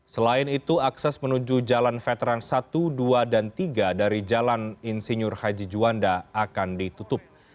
selain itu akses menuju jalan veteran satu dua dan tiga dari jalan insinyur haji juanda akan ditutup